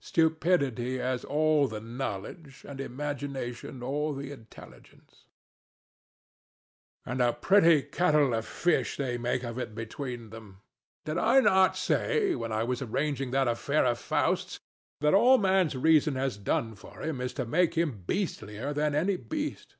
Stupidity has all the knowledge, and Imagination all the intelligence. THE DEVIL. And a pretty kettle of fish they make of it between them. Did I not say, when I was arranging that affair of Faust's, that all Man's reason has done for him is to make him beastlier than any beast.